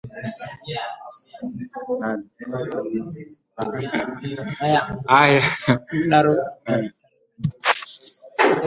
Watu elfu ishirini na wanane hufa kila mwaka nchini Uganda, kutokana na uchafuzi wa hali ya hewa, kulingana na kundi la Muungano wa Kimataifa juu ya Afya na Uchafuzi